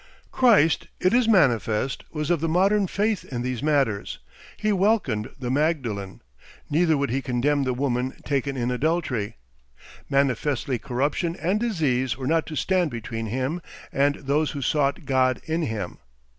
Christ, it is manifest, was of the modern faith in these matters, he welcomed the Magdalen, neither would he condemn the woman taken in adultery. Manifestly corruption and disease were not to stand between him and those who sought God in him.